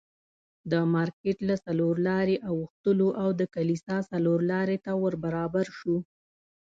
د مارکېټ له څلور لارې اوښتلو او د کلیسا څلورلارې ته ور برابر شوو.